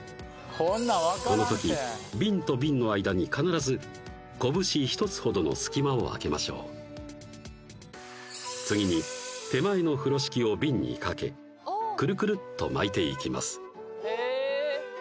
このときビンとビンの間に必ずこぶし１つほどの隙間を空けましょう次に手前の風呂敷をビンに掛けクルクルっと巻いていきます